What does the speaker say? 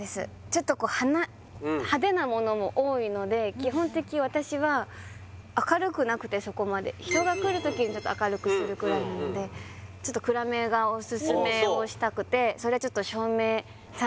ちょっとこう派手なものも多いので基本的私は明るくなくてそこまで人が来る時にちょっと明るくするくらいなのでちょっと暗めがオススメをしたくてそれちょっと照明さん